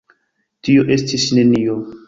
Tio estis nenio!